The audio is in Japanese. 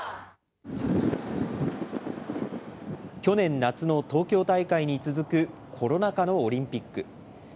去年夏の東京大会に続く、コロナ禍のオリンピック。